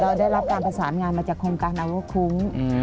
ได้รับการประสานงานมาจากโครงการอาเวอร์คุ้ง